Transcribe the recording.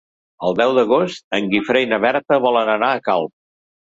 El deu d'agost en Guifré i na Berta volen anar a Calp.